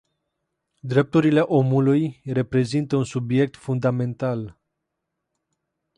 Drepturile omului reprezintă un subiect fundamental.